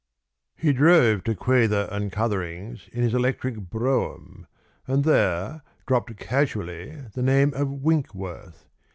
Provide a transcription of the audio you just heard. He drove to Quayther and Cuthering's in his electric brougham, and there dropped casually the name of Winkworth.